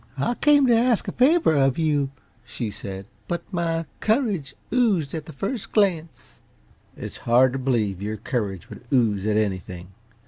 "I came to ask a favor of you," she said, "but my courage oozed at the first glance." "It's hard to believe your courage would ooze at anything.